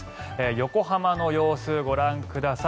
横浜の様子、ご覧ください。